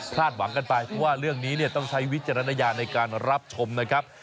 หวังกันไปเพราะว่าเรื่องนี้เนี่ยต้องใช้วิจารณญาณในการรับชมนะครับ